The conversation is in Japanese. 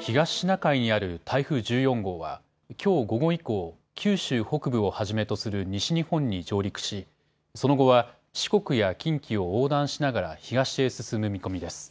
東シナ海にある台風１４号はきょう午後以降、九州北部をはじめとする西日本に上陸し、その後は四国や近畿を横断しながら東へ進む見込みです。